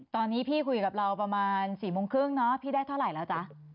ตอนนี้พี่คุยกับเราประมาณ๔โมงครึ่งเนาะพี่ได้เท่าไหร่แล้วจ๊ะ